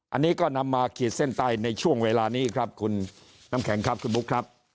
อันนี้ก็นำมาขีดเส้นใต้ในช่วงเวลานี้ครับคุณน้ำแข็งครับคุณบุ๊คครับ